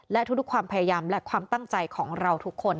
และทุกความพยายามและความตั้งใจของเราทุกคน